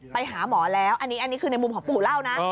ไปหาหมอแล้วอันนี้คือในมุมของปู่เล่านะ